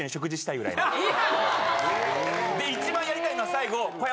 ・ええっ・一番やりたいのは最後。